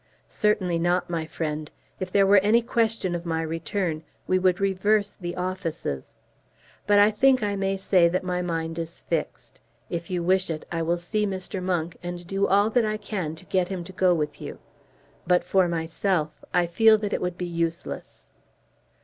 "Certainly not, my friend. If there were any question of my return we would reverse the offices. But I think I may say that my mind is fixed. If you wish it I will see Mr. Monk, and do all that I can to get him to go with you. But for myself, I feel that it would be useless."